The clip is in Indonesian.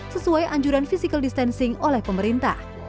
sesuai anjuran physical distancing oleh pemerintah